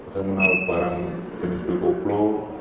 saya mengenal barang jenis bilkoplo